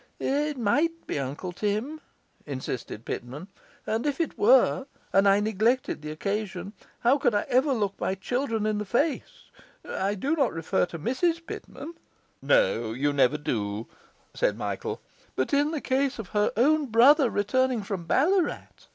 'It might be Uncle Tim,' insisted Pitman, 'and if it were, and I neglected the occasion, how could I ever look my children in the face? I do not refer to Mrs Pitman. ..' 'No, you never do,' said Michael. '... but in the case of her own brother returning from Ballarat. ..